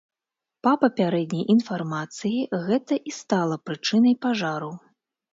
Па папярэдняй інфармацыі, гэта і стала прычынай пажару.